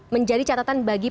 menjadi catatan bagi